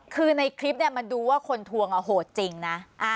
คือในคลิปเนี่ยมันดูว่าคนทวงโหดจริงนะ